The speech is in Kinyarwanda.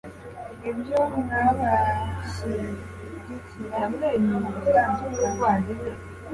ibyo byabashyigikira mu gutandukana